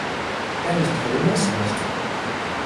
Wer nicht will, muss nicht.